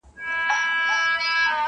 دا بهار، او لاله زار، او ګلشن زما دی.!